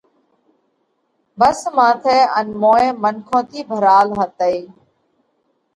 ڀس ماٿئہ ان موئين منکون ٿِي ڀرال هتئِي۔